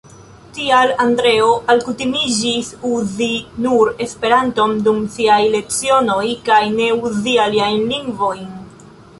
Tial Andreo alkutimiĝis uzi nur Esperanton dum siaj lecionoj, kaj ne uzi aliajn lingvojn.